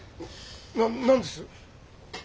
な何です？